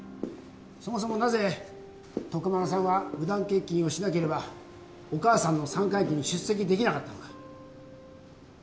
そもそもなぜ徳丸さんは無断欠勤をしなければお母さんの三回忌に出席できなかったのか